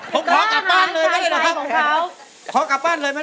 ขอกลับบ้านเลยไม่ได้เหรอครับ